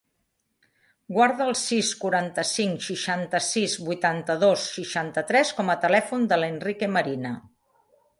Guarda el sis, quaranta-cinc, seixanta-sis, vuitanta-dos, seixanta-tres com a telèfon de l'Enrique Marina.